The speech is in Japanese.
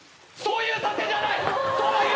そういうさせじゃない！